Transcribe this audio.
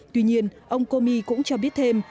tuy nhiên ông comey cũng cho biết thêm